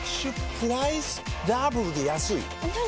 プライスダブルで安いＮｏ！